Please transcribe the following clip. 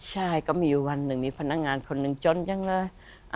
ใช่ก็มีวันหนึ่งมีพนักงานคนหนึ่งจนจังเลย